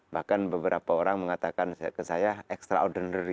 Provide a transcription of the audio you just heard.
bahkan beberapa orang mengatakan saya kira extraordinary